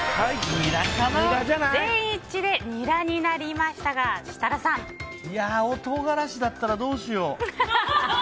全員一致でニラになりましたが青唐辛子だったらどうしよう。